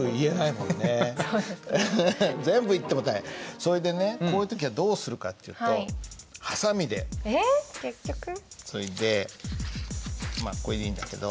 それでねこういう時はどうするかっていうとそいでまあこれでいいんだけど。